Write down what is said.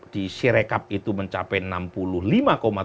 di sirekap itu mencapai enam puluh lima tujuh